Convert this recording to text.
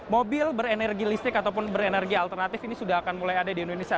mobil berenergi listrik ataupun berenergi alternatif ini sudah akan mulai ada di indonesia